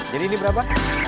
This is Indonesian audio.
jadi ini berapa